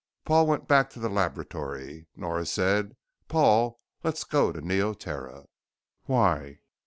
Paul went back to the laboratory. Nora said, "Paul, let's go to Neoterra." "Why?"